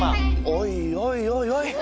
おいおいおいおい。